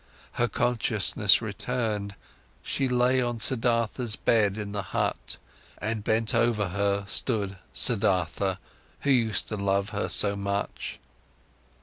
Her consciousness returned, she lay on Siddhartha's bed in the hut and bent over her stood Siddhartha, who used to love her so much.